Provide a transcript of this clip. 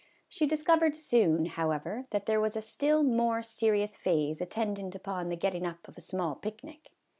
She discovered soon, however, that there was a still more serious phase attendant upon the getting up of a small picnic.